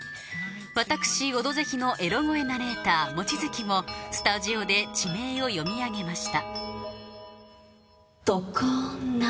私「オドぜひ」のエロ声ナレーター望月もスタジオで地名を読み上げました常滑。